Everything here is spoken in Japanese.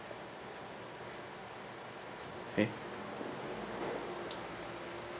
えっ。